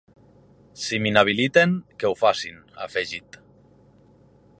Si m’inhabiliten, que ho facin, ha afegit.